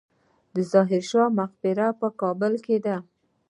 د ظاهر شاه مقبره په کابل کې ده